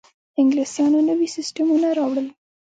انګلیسانو نوي سیستمونه راوړل.